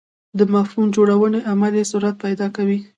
د مفهوم جوړونې عمل یې سرعت پیدا کوي.